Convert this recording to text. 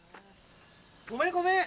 ごめんごめん！